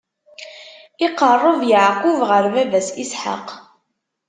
Iqeṛṛeb Yeɛqub ɣer baba-s Isḥaq.